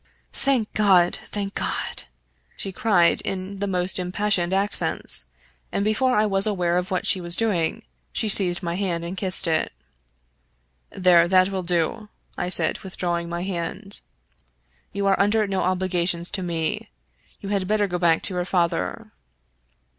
" Thank God ! thank God !" she cried, in the most im passioned accents ; and, before I was aware of what she was doing, she seized my hand and kissed it. " There, that will do," I said, withdrawing my hand ;" you are under no obligations to me. You had better go back to your father."